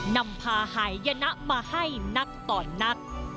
นำพาหายยนะมาให้นักต่อนัก